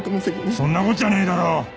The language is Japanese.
そんなこっちゃねえだろ。